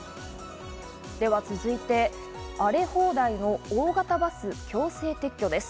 では続いて、荒れ放題の大型バス、強制撤去です。